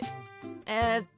えっと